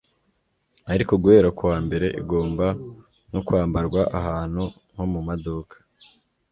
ariko guhera kuwa mbere igomba no kwambarwa ahantu nko mumaduka